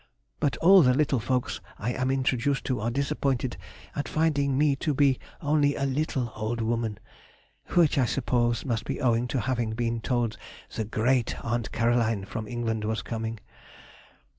But all the little folks I am introduced to are disappointed at finding me to be only a little old woman; which I suppose must be owing to having been told the Great Aunt Caroline from England was coming.